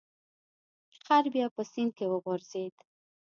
خر بیا په سیند کې وغورځید.